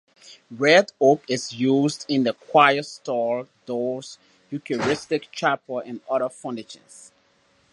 Red oak is used in the choir stalls, doors, Eucharistic chapel, and other furnishings.